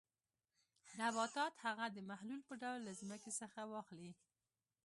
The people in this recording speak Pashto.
نباتات هغه د محلول په ډول له ځمکې څخه واخلي.